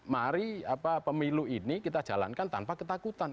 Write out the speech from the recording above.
mari pemilu ini kita jalankan tanpa ketakutan